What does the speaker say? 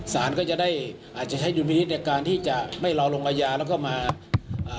สารก็จะได้อาจจะใช้ดุลพินิษฐ์ในการที่จะไม่รอลงอาญาแล้วก็มาอ่า